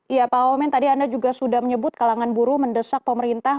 iya pak wamen tadi anda juga sudah menyebut kalangan buruh mendesak pemerintah